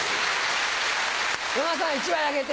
山田さん１枚あげて。